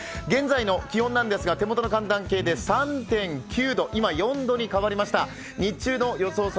現在の気温なんですが、手元の寒暖計で今、４度に変わりました日中の予想